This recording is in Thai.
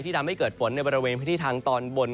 ที่ทำให้เกิดฝนในบริเวณพฤทธิ์ทางตอนบน